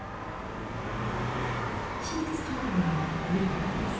手術直後の祐太君です。